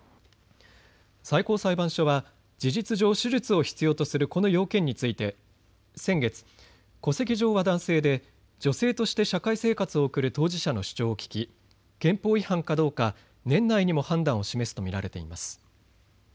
最高裁判所は事実上、手術を必要とするこの要件について先月、戸籍上は男性で女性として社会生活を送る当事者の主張を聞き、憲法違反かどうか年内にも判断を示すと見られています。